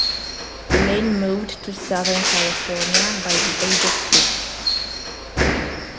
Lin moved to Southern California by the age of six.